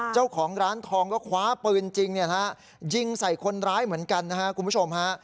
เจ้าของร้านทองก็คว้าปืนจริงยิงใส่คนร้ายเหมือนกันนะฮะคุณผู้ชมฮะ